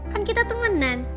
kan kita temenan